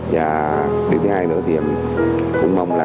và điểm thứ hai nữa thì em cũng mong là